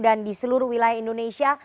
dan di seluruh wilayah indonesia